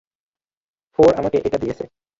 Four আমাকে এটা দিয়েছে।